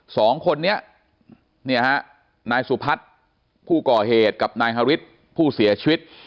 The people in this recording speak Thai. สองคนนี้เนี่ยฮะนายสุพัฒน์ผู้ก่อเหตุกับนายฮาริสผู้เสียชีวิต